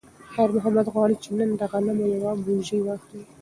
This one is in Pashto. خیر محمد غواړي چې نن د غنمو یوه بوجۍ واخلي.